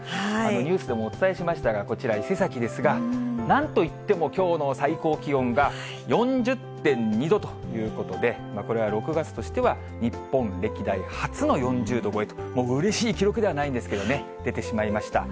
ニュースでもお伝えしましたが、こちら、伊勢崎ですが、なんといってもきょうの最高気温が４０．２度ということで、これは６月としては、日本歴代初の４０度超えと、うれしい記録ではないんですけどね、出てしまいました。